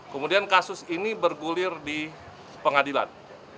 kemudian kasus ini bergulir di pengadilan